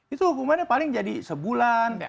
itu hukumannya paling jadi sebulan